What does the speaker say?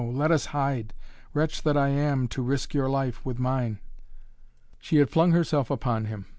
Let us hide! Wretch that I am, to risk your life with mine." She had flung herself upon him.